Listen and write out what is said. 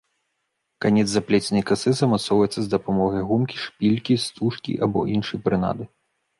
Канец заплеценай касы замацоўваецца з дапамогай гумкі, шпількі, стужкі або іншай прынады.